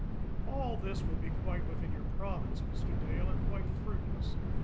All this will be quite within your province, Mr. Dale and quite fruitless.